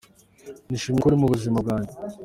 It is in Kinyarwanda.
Nishimiye ko uri mu buzima bwajye”.